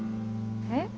えっ？